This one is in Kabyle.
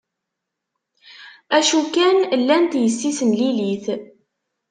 Acu kan, llant yessi-s n Lilit.